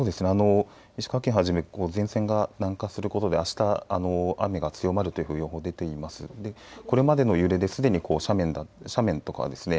石川県はじめ前線が南下することであした雨が強まる予報が出ていますのでこれまでの揺れですでに斜面とかはですね